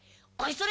「それ！」